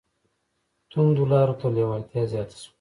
توندو لارو ته لېوالتیا زیاته شوه